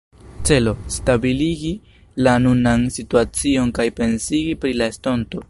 Celo: stabiligi la nunan situacion kaj pensigi pri la estonto.